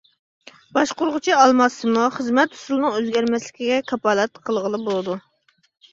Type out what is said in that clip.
باشقۇرغۇچى ئالماشسىمۇ خىزمەت ئۇسۇلىنىڭ ئۆزگەرمەسلىكىگە كاپالەتلىك قىلغىلى بولىدۇ.